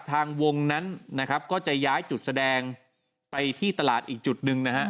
ทางวงนั้นนะครับก็จะย้ายจุดแสดงไปที่ตลาดอีกจุดหนึ่งนะฮะ